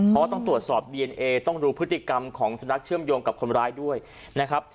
เพราะว่าต้องตรวจสอบดีเอนเอต้องดูพฤติกรรมของสุนัขเชื่อมโยงกับคนร้ายด้วยนะครับ